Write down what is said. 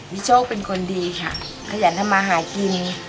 พี่โชคเป็นคนดีค่ะขยันทำมาหากิน